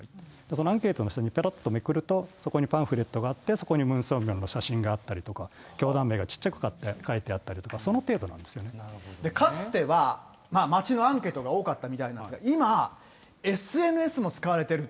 そのアンケートの下にぺろっとめくると、そこにパンフレットがあって、そこにムン・ソンミョンの写真があったりとか、教団名が小さく書いてあったりとか、その程かつては、街のアンケートが多かったみたいなんですが、今、ＳＮＳも使われてる。